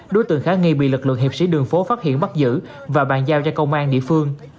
đối tượng khá nghi bị lực lượng hiệp sĩ đường phố phát hiện bắt giữ và bàn giao cho công an địa phương